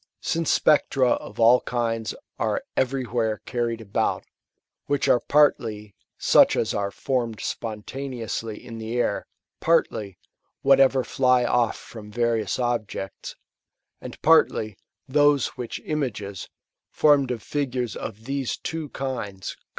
Since spectra of all kinds are every where carried about, which are partly such as are formed spontaneously in the air, partly, whatever fly off from various objects ; and partly, those which images, formed of figures of these two kinds, ' As his flapping wings startle the night.] Ver.